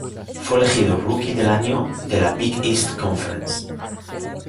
Fue elegido Rookie del Año de la Big East Conference.